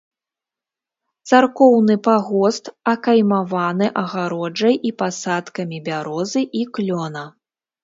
Царкоўны пагост акаймаваны агароджай і пасадкамі бярозы і клёна.